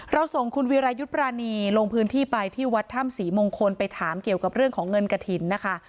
ส่งคุณวิรายุทธ์ปรานีลงพื้นที่ไปที่วัดถ้ำศรีมงคลไปถามเกี่ยวกับเรื่องของเงินกระถิ่นนะคะ